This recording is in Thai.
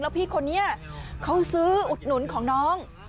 พี่คนนี้เขาซื้ออุดหนุนของน้อง